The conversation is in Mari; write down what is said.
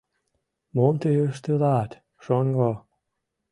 — Мом тый ыштылат, шоҥго?